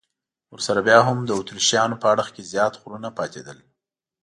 ورسره بیا هم د اتریشیانو په اړخ کې زیات غرونه پاتېدل.